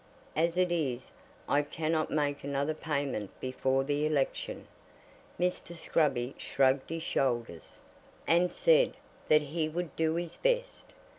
As it is, I cannot make another payment before the election." Mr. Scruby shrugged his shoulders, and said that he would do his best.